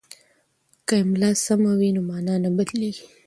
که املا سمه وي نو مانا نه بدلیږي.